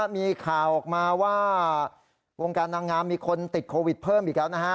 มีข่าวออกมาว่าวงการนางงามมีคนติดโควิดเพิ่มอีกแล้วนะฮะ